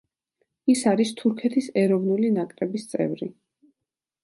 ის არის თურქეთის ეროვნული ნაკრების წევრი.